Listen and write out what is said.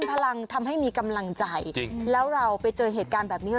ภาพการที่ชาวเหตุการณ์